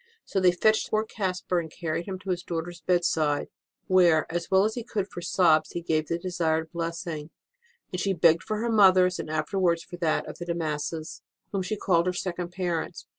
So they fetched poor Caspar and carried him to his daughter s bedside, where, as well as he could for sobs, he gave the desired 12 i 7 8 ST. ROSE OF LIMA blessing. Then she begged for her mother s, and afterwards for that of the De Massas, whom she called her second parents.